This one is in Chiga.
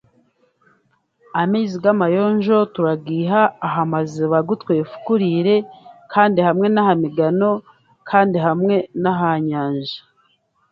Amaizi gamayonjo turagaiha aha maziba agu twefukuriire kandi hamwe n'aha migano kandi hamwe n'aha nyanja